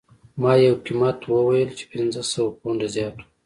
ما یو قیمت وویل چې پنځه سوه پونډه زیات و